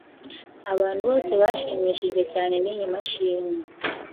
Abantu bose bashimishijwe cyane niyi mashini.